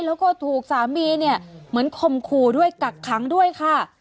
แล้วก็ถูกสามีเหมือนคมคูไว้กักคังด้วยค่ะ